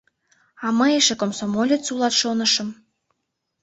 А мый эше комсомолец улат шонышым.